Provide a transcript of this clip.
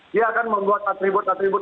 dia akan membuat atribut atribut